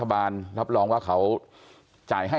ความปลอดภัยของนายอภิรักษ์และครอบครัวด้วยซ้ำ